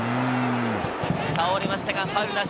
倒れましたがファウルなし。